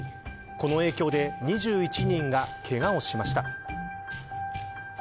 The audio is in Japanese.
この影響で２１人がけがをしました。